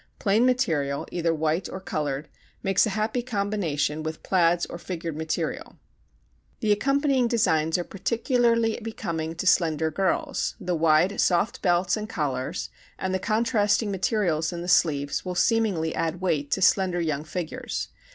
Plain material, either white or colored, makes a happy combination with plaids or figured material. The accompanying designs are particularly becoming to slender girls. The wide soft belts and collars and the contrasting materials in the sleeves will seemingly add weight to slender young figures.